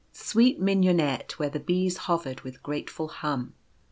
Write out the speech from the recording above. Sweet Mignonette, where the bees hovered with grateful hum.